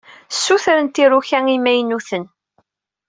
Ssutrent iruka imaynuten.